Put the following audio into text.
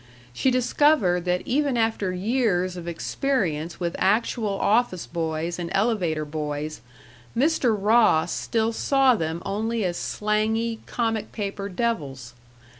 She discovered that even after years of experience with actual office boys and elevator boys, Mr. Ross still saw them only as slangy, comic paper devils.